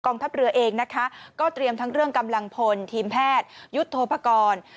ทัพเรือเองนะคะก็เตรียมทั้งเรื่องกำลังพลทีมแพทยุทธโทพกร